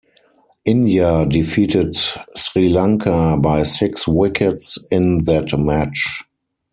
India defeated Sri Lanka by six wickets in that match.